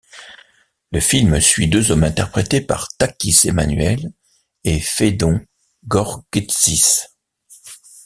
Le film suit deux hommes interprétés par Takis Emmanuel et Faidon Georgitsis.